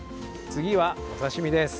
次は、お刺身です。